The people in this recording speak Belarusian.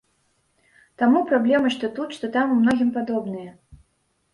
Таму праблемы што тут, што там у многім падобныя.